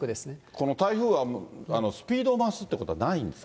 この台風はスピードを増すっていうことはないんですか。